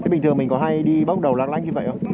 bình thường mình có hay đi bóc đầu lạc lanh như vậy không